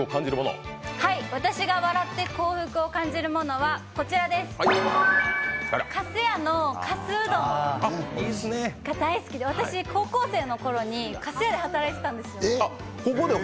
私が笑って幸福を感じるものはＫＡＳＵＹＡのかすうどんが大好きで私、高校生のころにＫＡＳＵＹＡで働いていたんですよ。